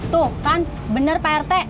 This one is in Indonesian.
tuh kan bener prt